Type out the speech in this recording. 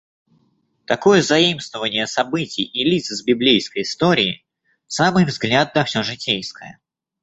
Такое заимствование событий и лиц из библейской истории, самый взгляд на всё житейское.